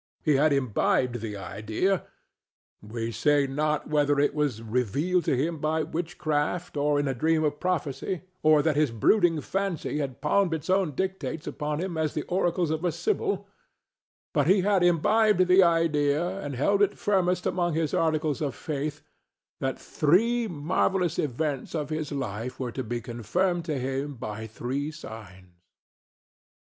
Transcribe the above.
He had imbibed the idea—we say not whether it were revealed to him by witchcraft or in a dream of prophecy, or that his brooding fancy had palmed its own dictates upon him as the oracles of a sybil, but he had imbibed the idea, and held it firmest among his articles of faith—that three marvellous events of his life were to be confirmed to him by three signs.